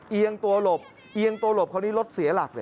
เอียงตัวหลบเอียงตัวหลบคราวนี้รถเสียหลักเลย